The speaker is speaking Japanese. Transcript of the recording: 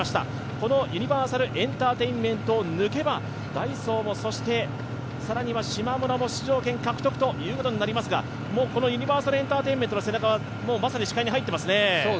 このユニバーサルエンターテインメントを抜けば、ダイソーも更にはしまむらも出場権獲得ということになりますが、もうこのユニバーサルエンターテインメントの背中はまさに視界に入っていますね。